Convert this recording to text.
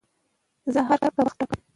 زه هر کار ته وخت ټاکم.